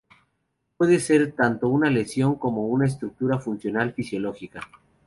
Puede ser tanto una lesión, como una estructura funcional fisiológica.